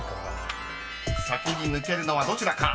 ［先に抜けるのはどちらか？